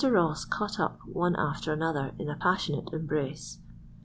Ross caught up one after another in a passionate embrace.